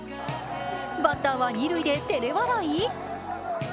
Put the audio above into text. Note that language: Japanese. バッターは二塁でてれ笑い？